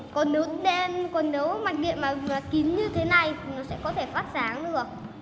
còn nếu mạch điện mà kín như thế này thì nó sẽ có thể phát sáng được